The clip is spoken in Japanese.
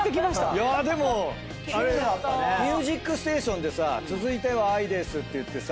でも『ミュージックステーション』でさ続いてはＡＩですって言ってさ